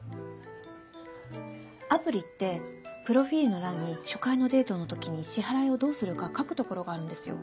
アプリってプロフィルの欄に初回のデートの時に支払いをどうするか書く所があるんですよ。